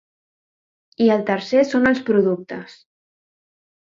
I el tercer són els productes.